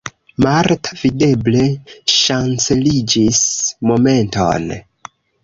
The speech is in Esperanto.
Marta videble ŝanceliĝis momenton.